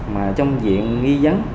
mà trong diện nghi dấn